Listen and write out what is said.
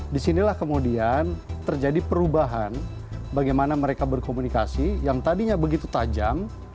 disinilah kemudian terjadi perubahan bagaimana mereka berkomunikasi yang tadinya begitu tajam